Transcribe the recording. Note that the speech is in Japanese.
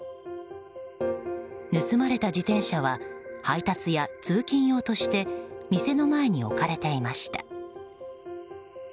盗まれた自転車は配達や通勤用として店の前に置かれていました。